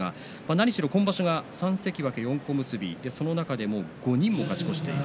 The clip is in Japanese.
なにしろ今場所は３関脇４小結その中で５人も勝ち越しをしている。